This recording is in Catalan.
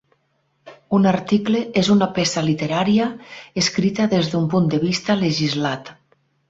Un article és una peça literària escrita des d'un punt de vista legislat.